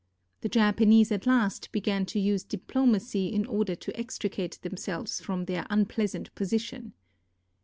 The Japanese at last began to use diplomacy in order to extricate themselves from their unpleasant position.